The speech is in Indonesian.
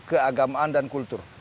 keagamaan dan kultur